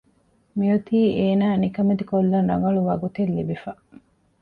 މިއޮތީ އޭނާ ނިކަމެތިކޮށްލަން ރަނގަޅު ވަގުތެއް ލިބިފަ